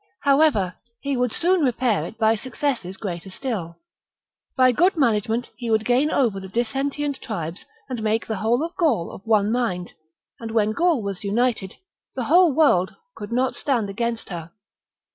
However, he would soon repair it by successes greater still. By good management he would gain over the dissentient tribes and make the whole of Gaul of one mind ; and when Gaul was united, the whole world could not stand against her.